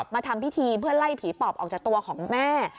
มาทำพิธีเพื่อไล่ผีปอบออกจากตัวของแม่